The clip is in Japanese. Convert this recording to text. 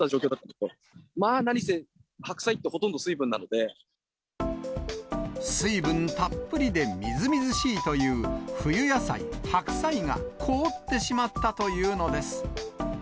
まあ、何せ、白菜ってほとんど水水分たっぷりでみずみずしいという、冬野菜、白菜が凍ってしまったというのです。